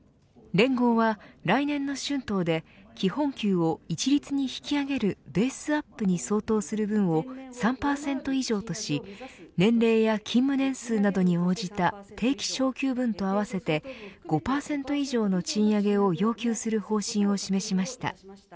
連合は来年の春闘で基本給を一律に引き上げるベースアップに相当する分を３％以上とし年齢や勤務年数などに応じた定期昇給分と合わせて５％以上の賃上げを要求する方針を示しました。